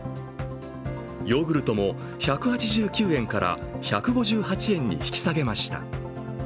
ヨーグルトも１８９円から１５８円に引き下げました。